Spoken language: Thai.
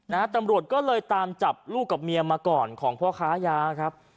ตำรวจก็เลยตามจับลูกกับเมียมาก่อนของพ่อค้ายาครับ